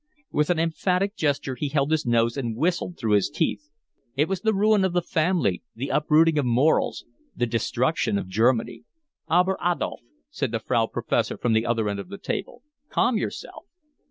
With an emphatic gesture he held his nose and whistled through his teeth. It was the ruin of the family, the uprooting of morals, the destruction of Germany. "Aber, Adolf," said the Frau Professor from the other end of the table. "Calm yourself."